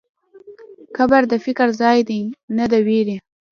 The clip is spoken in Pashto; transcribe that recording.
قبر د فکر ځای دی، نه د وېرې.